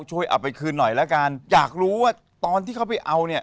ช่วยเอาไปคืนหน่อยแล้วกันอยากรู้ว่าตอนที่เขาไปเอาเนี่ย